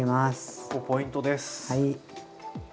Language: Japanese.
ここポイントです。